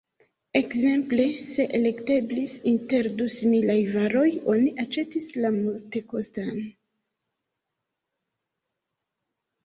Ekzemple, se elekteblis inter du similaj varoj, oni aĉetis la multekostan.